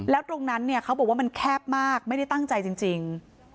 แล้วตรงนั้นเนี่ยเขาบอกว่ามันแคบมากไม่ได้ตั้งใจจริง